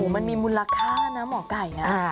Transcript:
มันมีมูลค่านะหมอไก่นะ